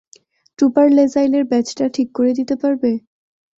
Trooper লেসাইল এর badge টা ঠিক করে দিতে পারবে?